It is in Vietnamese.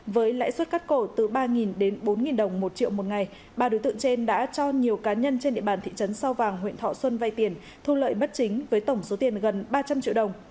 với lãi suất cắt cổ từ ba đến bốn đồng một triệu một ngày ba đối tượng trên đã cho nhiều cá nhân trên địa bàn thị trấn sau vàng huyện thọ xuân vay tiền thu lợi bất chính với tổng số tiền gần ba trăm linh triệu đồng